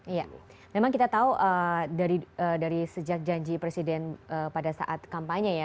iya memang kita tahu dari sejak janji presiden pada saat kampanye ya